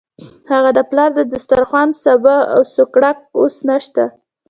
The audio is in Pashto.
هغه د پلار د دسترخوان سابه او سوکړک اوس نشته.